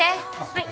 はい。